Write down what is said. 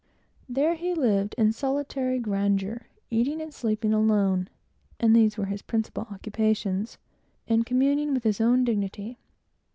There he lived in solitary grandeur; eating and sleeping alone, (and these were his principal occupations,) and communing with his own dignity.